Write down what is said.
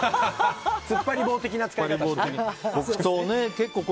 つっぱり棒的な使い方。